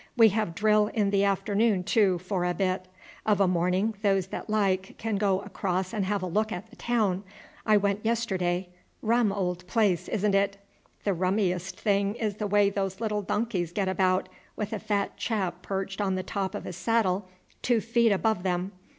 We have drill in the afternoon, too, for a bit. Of a morning those that like can go across and have a look at the town. I went yesterday. Rum old place, isn't it? The rummiest thing is the way those little donkeys get about with a fat chap perched on the top of a saddle two feet above them.